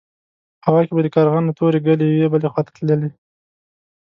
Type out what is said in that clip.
په هوا کې به د کارغانو تورې ګلې يوې بلې خوا ته تللې.